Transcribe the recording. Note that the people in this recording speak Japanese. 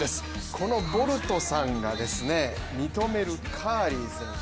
このボルトさんが認めるカーリー選手